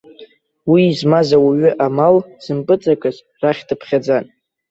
Уи змаз ауаҩы амал зымпыҵакыз рахь дыԥхьаӡан.